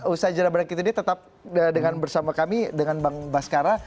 usaha jalan berikut ini tetap bersama kami dengan bang baskara